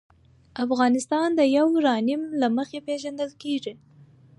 افغانستان د یورانیم له مخې پېژندل کېږي.